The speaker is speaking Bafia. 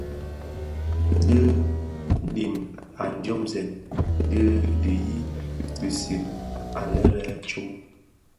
Dhi dhim a dyomzèn dhi diyis bisig anne lè tsom.